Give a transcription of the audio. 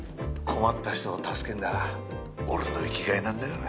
困った人を助けるのが俺の生きがいなんだから。